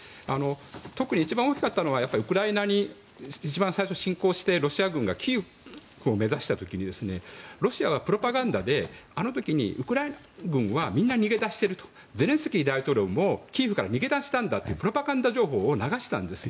一番大きかったのはウクライナに最初に侵攻してロシア軍がキーウを目指した時にロシアはプロパガンダであの時にウクライナ軍はみんな逃げだしてるとゼレンスキー大統領もキーウから逃げ出したんだというプロパガンダ情報を流したんですよ。